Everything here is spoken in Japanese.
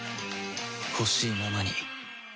ほしいままに